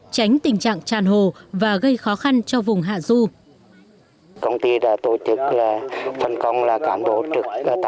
tránh tình trạng tràn hồ và gây khó khăn cho vùng hạ du